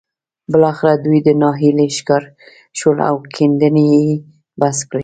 بالاخره دوی د ناهيلۍ ښکار شول او کيندنې يې بس کړې.